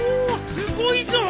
すごいぞ！